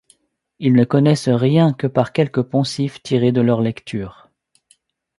Ils ne connaissent rien que par quelques poncifs tirés de leur lecture.